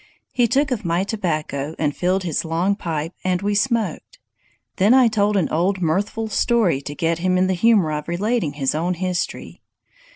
He took of my tobacco and filled his long pipe, and we smoked. Then I told an old mirthful story to get him in the humor of relating his own history.